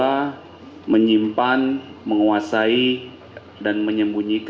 assalamualaikum wr wb